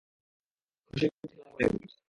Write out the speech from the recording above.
খুশির ঠেলায় সবাই বলে।